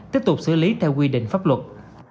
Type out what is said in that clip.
tiếp tục xử lý theo quy định pháp luật